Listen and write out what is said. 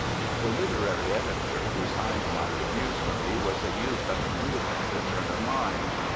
The literary editor who signed my reviews for me was a youth of an independent turn of mind.